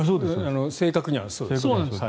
正確にはそうです。